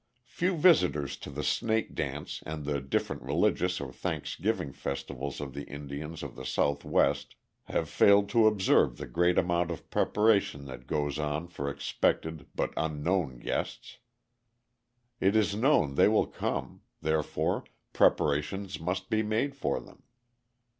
Few visitors to the Snake Dance and the different religious or thanksgiving festivals of the Indians of the Southwest have failed to observe the great amount of preparation that goes on for expected but unknown guests. It is known they will come; therefore preparations must be made for them.